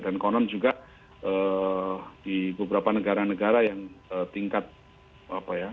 dan konon juga di beberapa negara negara yang tingkat apa ya